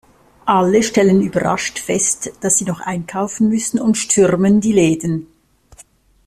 Alle stellen überrascht fest, dass sie noch einkaufen müssen, und stürmen die Läden.